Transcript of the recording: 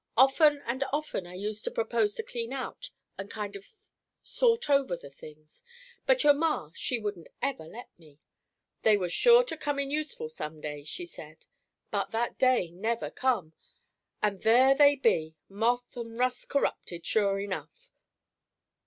Often and often I used to propose to clean out and kind of sort over the things, but your Ma, she wouldn't ever let me. They was sure to come in useful some day, she said; but that day never come, and there they be, moth and rust corrupted, sure enough!